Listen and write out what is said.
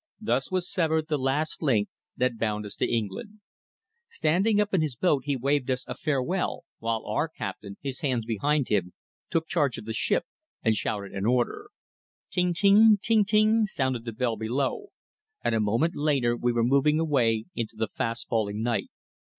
Thus was severed the last link that bound us to England. Standing up in his boat he waved us a farewell, while our captain, his hands behind him, took charge of the ship and shouted an order. Ting ting ting ting sounded the bell below, and a moment later we were moving away into the fast falling night.